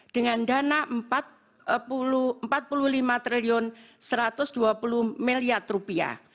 dengan dana rp empat puluh lima satu ratus dua puluh